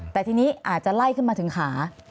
แต่ทีนี้อาจจะไล่ขึ้นมาถึงขา